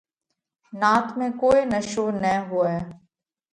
نات ۾ ڪوئي نشو نہ هوئہ۔